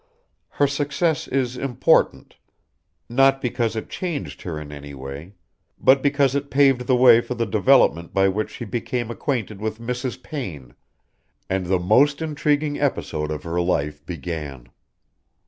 Her success is important, not because it changed her in any way, but because it paved the way for the development by which she became acquainted with Mrs. Payne, and the most intriguing episode of her life began.